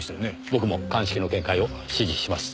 僕も鑑識の見解を支持します。